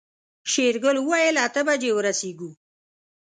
شېرګل وويل اته بجې ورسيږو.